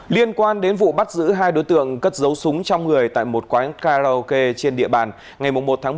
liên quan đến vụ bắt giữ hai đối tượng cất dấu súng trong người tại một quán karaoke trên địa bàn ngày một một mươi hai